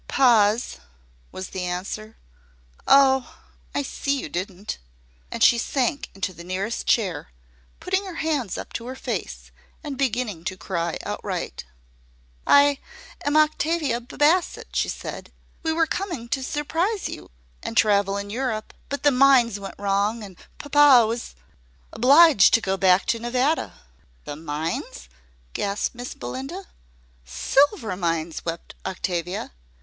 "Pa's," was the answer. "Oh! I see you didn't." And she sank into the nearest chair, putting her hands up to her face, and beginning to cry outright. "I am Octavia B bassett," she said. "We were coming to surp prise you, and travel in Europe; but the mines went wrong, and p pa was obliged to go back to Nevada." "The mines?" gasped Miss Belinda. "S silver mines," wept Octavia.